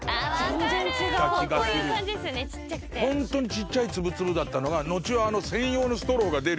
ちっちゃい粒々だったのが後は専用のストローが出るような。